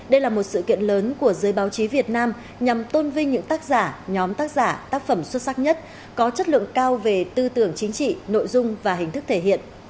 đây là một sự kiện lớn của giới báo chí việt nam nhằm tôn vinh những tác giả nhóm tác giả tác phẩm xuất sắc nhất có chất lượng cao về tư tưởng chính trị nội dung và hình thức thể hiện